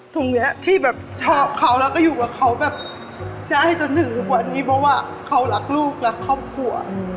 ตรงนี้ที่แบบชอบเขาแล้วก็อยู่กับเขาแบบย่าให้จนถึงกว่านี้เพราะว่าเขารักลูกรักครอบครัว